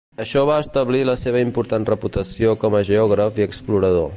Això va establir la seva important reputació com a geògraf i explorador.